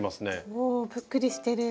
おぷっくりしてる。